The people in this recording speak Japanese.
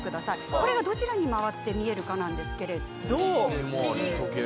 これがどちらに回って見えるかですが。